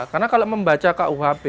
karena kalau membaca kuhp